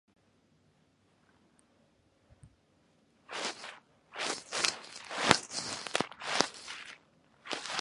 The Willow Cove microarchitecture will be succeeded by Golden Cove.